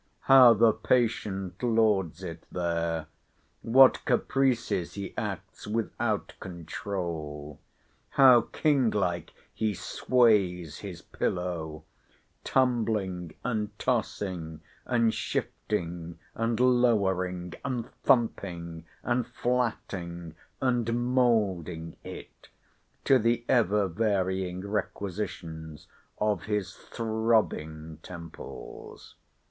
How the patient lords it there! what caprices he acts without controul! how kinglike he sways his pillow—tumbling, and tossing, and shifting, and lowering, and thumping, and flatting, and moulding it, to the ever varying requisitions of his throbbing temples.